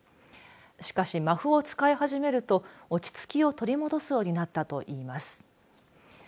しかし、マフを使い始めると落ち着きを取り戻すようになったといいます。